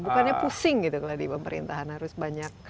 bukannya pusing gitu kalau di pemerintahan harus banyak